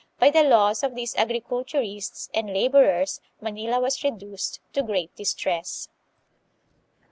By the loss of these agriculturists and laborers Manila was reduced to great distress.